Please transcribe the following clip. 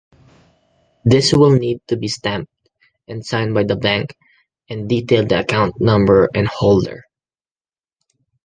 This will need to be stamped and signed by the bank, and detail the account number and holder.